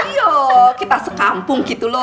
iya kita sekampung gitu loh